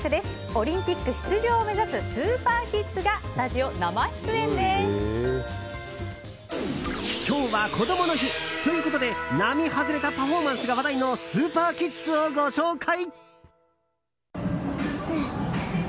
オリンピック出場を目指すスーパーキッズが今日はこどもの日ということで並外れたパフォーマンスが話題のスーパーキッズをご紹介。